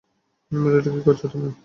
Melody, কী করছো তুমি?